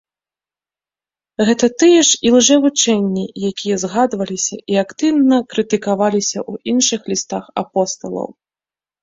Гэта тыя ж ілжэвучэнні, якія згадваліся і актыўна крытыкаваліся ў іншых лістах апосталаў.